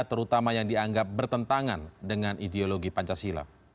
terutama yang dianggap bertentangan dengan ideologi pancasila